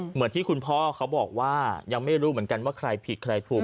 เหมือนที่คุณพ่อเขาบอกว่ายังไม่รู้เหมือนกันว่าใครผิดใครถูก